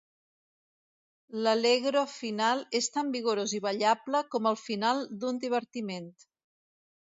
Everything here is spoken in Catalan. L'Allegro final és tan vigorós i ballable com el final d'un divertiment.